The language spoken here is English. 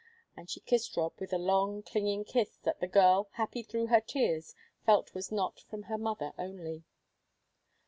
And she kissed Rob with a long, clinging kiss that the girl, happy through her tears, felt was not from her mother only.